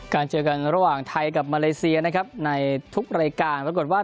เจอกันระหว่างไทยกับมาเลเซียนะครับในทุกรายการปรากฏว่า